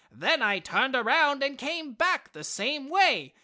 Then I turned around and came back the same way.